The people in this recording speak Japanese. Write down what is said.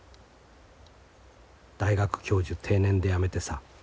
『大学教授定年で辞めてさ